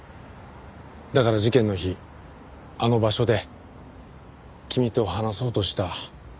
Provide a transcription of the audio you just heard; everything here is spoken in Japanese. だから事件の日あの場所で君と話そうとした。